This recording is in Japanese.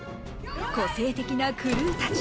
個性的なクルーたち